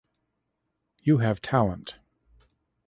You have talent.